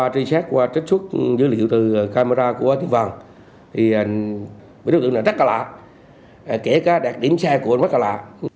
truy xét qua trích xuất dữ liệu từ camera của tổ tiên vàng đối tượng là rất là lạ kể cả đạt điểm xe của ông rất là lạ